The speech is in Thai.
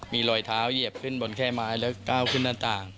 มีรอยเท้าเหยียบขึ้นบนแค่ไม้แล้วก้าวขึ้นหน้าต่าง